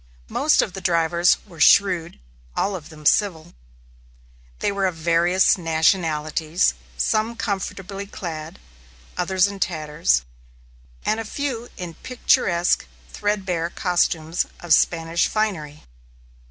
Most of the drivers were shrewd; all of them civil. They were of various nationalities; some comfortably clad, others in tatters, and a few in picturesque threadbare costumes of Spanish finery.